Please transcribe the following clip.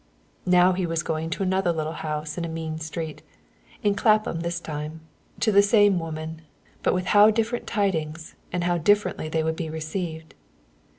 Now he was going to another little house in a mean street, in Clapham this time, to the same woman, but with how different tidings and how differently they would be received.